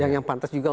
yang pantas juga